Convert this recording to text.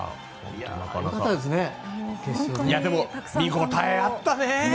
でも、見応えあったね。